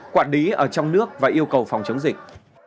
quản lý ở trong nước và yêu cầu phòng chống dịch